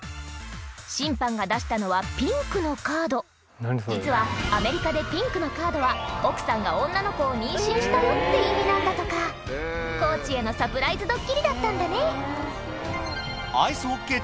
審判が出したのはピンクのカード実はアメリカでピンクのカードはしたよって意味なんだとかコーチへのサプライズドッキリだったんだねで